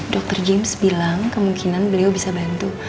dr james bilang kemungkinan beliau bisa bantu